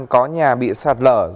có nhà bị sạt lở